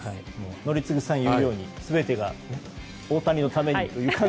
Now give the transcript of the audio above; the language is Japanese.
宜嗣さんが言うように全て大谷さんのためにという。